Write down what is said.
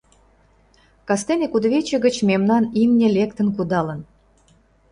Кастене кудывече гыч мемнан имне лектын кудалын.